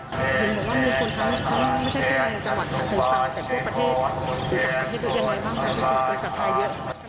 สัตวในประเทศยังไงแหละว่างคือคุณสัตว์ไทยเยอะ